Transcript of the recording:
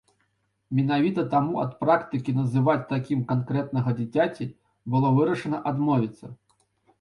Менавіта таму ад практыкі называць такім канкрэтнага дзіцяці было вырашана адмовіцца.